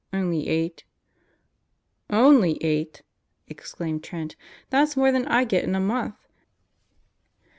"Only eight." "Only eight 1" exclaimed Trent. "That's more than I get in a month.